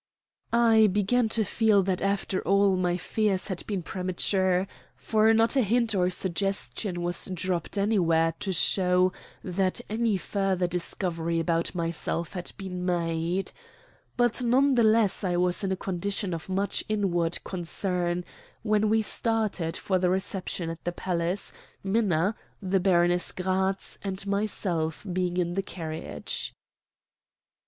I began to feel that after all my fears had been premature, for not a hint or suggestion was dropped anywhere to show that any further discovery about myself had been made. But none the less I was in a condition of much inward concern when we started for the reception at the palace, Minna, the Baroness Gratz, and myself being in the carriage.